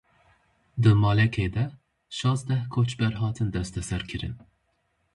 Di malekê de şazdeh koçber hatin desteserkirin.